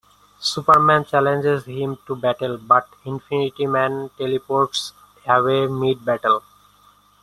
Superman challenges him to battle, but Infinity-Man teleports away mid-battle.